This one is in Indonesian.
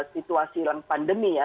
situasi dalam pandemi ya